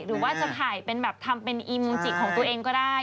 หรือว่าจะถ่ายเป็นแบบทำเป็นอิมจิกของตัวเองก็ได้